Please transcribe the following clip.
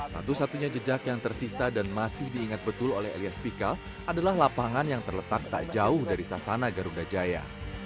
satu satunya jejak yang tersisa dan masih diingat betul oleh elias pikal adalah lapangan yang terletak tak jauh dari sasana garuda jaya